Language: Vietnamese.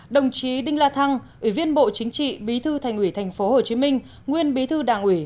đồng chí đinh la thăng ủy viên bộ chính trị bí thư thành ủy tp hcm nguyên bí thư đảng ủy